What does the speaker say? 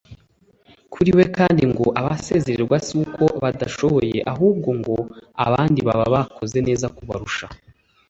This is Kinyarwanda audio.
Kuri we kandi ngo abasezererwa si uko badashoboye ahubwo ngo abandi baba bakoze neza kubarusha